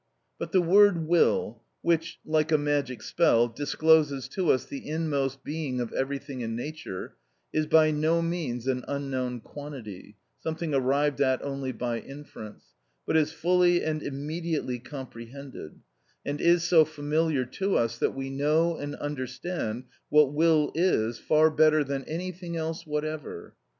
But the word will, which, like a magic spell, discloses to us the inmost being of everything in nature, is by no means an unknown quantity, something arrived at only by inference, but is fully and immediately comprehended, and is so familiar to us that we know and understand what will is far better than anything else whatever.